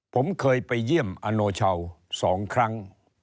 ผมเคยไปเยี่ยมอโนชาว๒ครั้ง